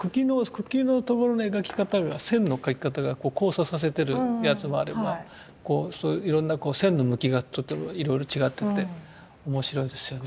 茎の所の描き方が線の描き方がこう交差させてるやつもあればこういろんな線の向きがとってもいろいろ違ってて面白いですよね